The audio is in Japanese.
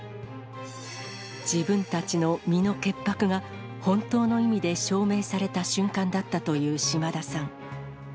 自分たちの身の潔白が本当の意味で証明された瞬間だったという島田さん。